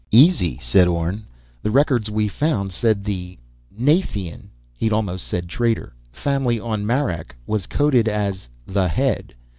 "Easy," said Orne. "The records we found said the ... Nathian (he'd almost said 'traitor') family on Marak was coded as _'The Head.'